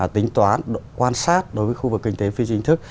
tính toán quan sát đối với khu vực kinh tế phi chính thức